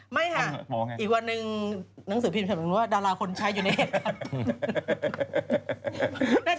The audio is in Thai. ไม่ค่ะอีกวันหนึ่งหนังสือพิมพ์ฉันรู้ว่าดาราคนใช้อยู่ในเอกัต